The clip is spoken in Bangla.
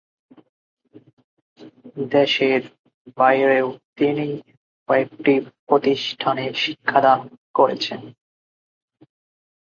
দেশের বাইরেও তিনি কয়েকটি প্রতিষ্ঠানে শিক্ষাদান করেছেন।